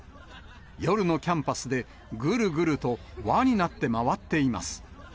夜のキャンパスで、ぐるぐると、輪になって回っています。